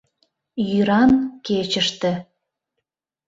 ЙӰРАН КЕЧЫШТЕ